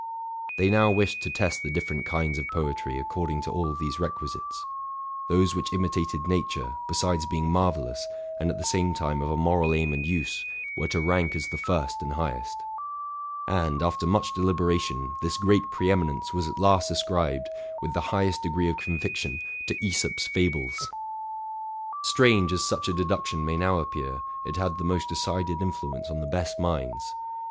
They now wished to test the different kinds of poetry according to all these requisites: those which imitated nature, besides being marvellous, and at the same time of a moral aim and use, were to rank as the first and highest. And, after much deliberation, this great pre eminence was at last ascribed, with the highest degree of conviction, to Asop's fables ! Strange as such a deduction may now appear, it had the most decided influence on the best minds.